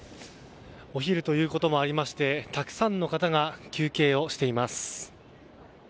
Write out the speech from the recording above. お昼ということもありましてたくさんの方が休憩をしています。